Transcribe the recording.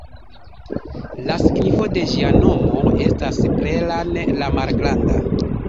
La signifo de ĝia nomo estas "Plelan"-la-malgranda.